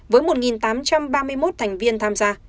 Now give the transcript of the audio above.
với một tám trăm ba mươi một thành viên tham gia